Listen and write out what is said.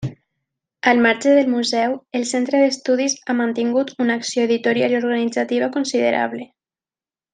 Al marge del museu, el Centre d’Estudis ha mantingut una acció editorial i organitzativa considerable.